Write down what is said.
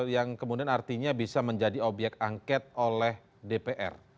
yang kemudian artinya bisa menjadi obyek angket oleh dpr